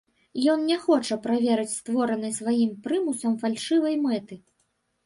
Ён не хоча праверыць створанай сваім прымусам фальшывай мэты.